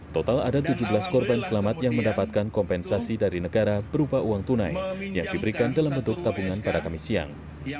total ada tujuh belas korban selamat yang mendapatkan kompensasi dari negara berupa uang tunai yang diberikan dalam bentuk tabungan pada kamis siang